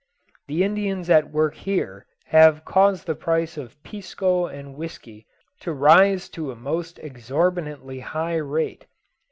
The Indians at work here have caused the price of pisco and whisky to rise to a most exorbitantly high rate.